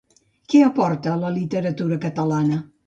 Què aporta a la literatura catalana?